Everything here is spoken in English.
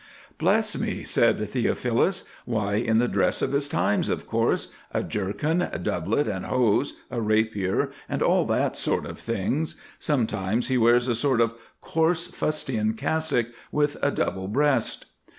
"Bless me!" said Theophilus, "why in the dress of his times, of course—a jerken, doublet, and hose, a rapier, and all that sort of thing; sometimes he wears a sort of coarse fustian cassock with a double breast."